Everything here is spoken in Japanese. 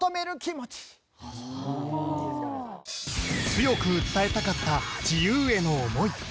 強く訴えたかった自由への思い